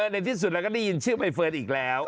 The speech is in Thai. ในที่สุดเราก็ได้ยินชื่อใบเฟิร์นอีกแล้ว